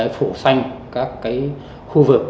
phủ xanh các khu vực